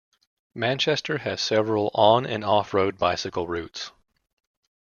Manchester has several on and off-road bicycle routes.